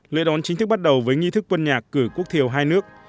lễ đón chính thức bắt đầu với nghi thức quân nhạc cử quốc thiều hai nước